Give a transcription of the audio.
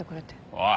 おい！